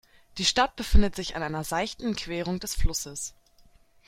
Die Stadt befindet sich an einer seichten Querung des Flusses.